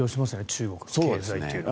中国の経済というのは。